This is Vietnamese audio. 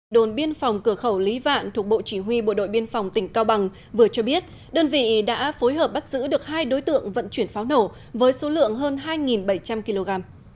đồn biên phòng cửa khẩu lý vạn thuộc bộ chỉ huy bộ đội biên phòng tỉnh cao bằng vừa cho biết đơn vị đã phối hợp bắt giữ được hai đối tượng vận chuyển pháo nổ với số lượng hơn hai bảy trăm linh kg